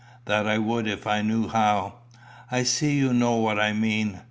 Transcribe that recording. "That I would if I knew how. I see you know what I mean.